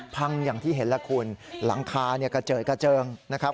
พังอย่างที่เห็นแล้วคุณหลังคาเกริ่งนะครับ